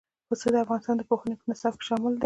پسه د افغانستان د پوهنې په نصاب کې شامل دی.